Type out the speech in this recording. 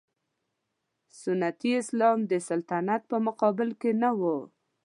سنتي اسلام د سلطنت په مقابل کې نه و.